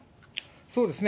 そうですね。